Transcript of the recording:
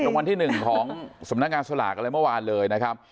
รางวัลที่๑ของสำนักงานสลากอะไรเมื่อวานเลยนะครับ